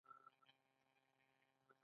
دیرشمه پوښتنه دا ده چې پروژه څه شی ده؟